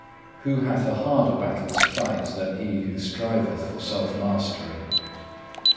Who hath a harder battle to fight than he who striveth for self mastery?